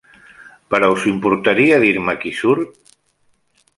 Però us importaria dir-me qui surt?